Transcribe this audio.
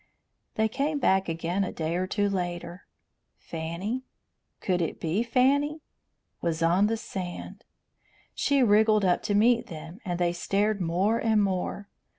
They came back again a day or two later. Fanny could it be Fanny? was on the sand. She wriggled up to meet them, and they stared more and more.